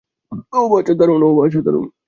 ওহ, বাছা, দারুন।